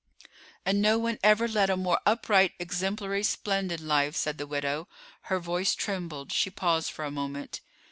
"And no one ever led a more upright, exemplary, splendid life," said the widow. Her voice trembled; she paused for a moment.